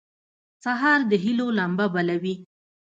سهار د هيلو لمبه بلوي.